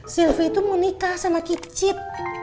sylvie tuh mau nikah sama kicit